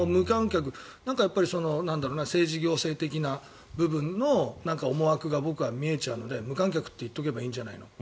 なんか政治行政的な部分の思惑が僕は見えちゃうので無観客って言っておけばいいんじゃないのって。